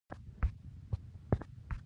د کتاب نومونه هم وزن بدلوي.